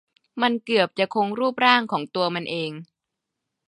มันเกือบจะคงรูปร่างของตัวมันเอง